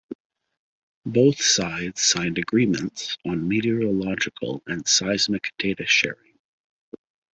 Both sides signed agreements on meteorological and seismic data sharing.